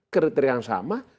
kriteria yang sama